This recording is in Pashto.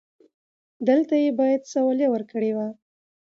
دلته يې بايد سواليه ورکړې و.